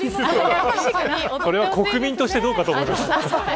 それは国民としてどうかと思います。